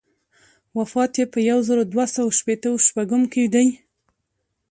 وفات یې په یو زر دوه سوه شپېته و شپږم کې دی.